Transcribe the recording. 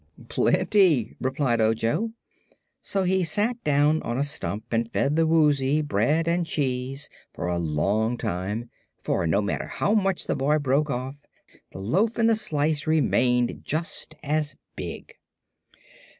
"Plenty," replied Ojo. So he sat down on a Stump and fed the Woozy bread and cheese for a long time; for, no matter how much the boy broke off, the loaf and the slice remained just as big.